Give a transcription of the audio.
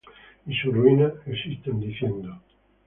Y sus ruinas existan diciendo: